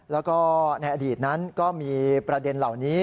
แล้วก็ในอดีตนั้นก็มีประเด็นเหล่านี้